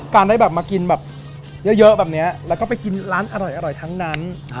ได้แบบมากินแบบเยอะแบบนี้แล้วก็ไปกินร้านอร่อยทั้งนั้น